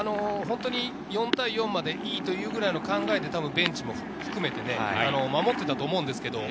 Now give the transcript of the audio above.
４対４までいいというくらいの考えでベンチも含めて守っていたと思うんです。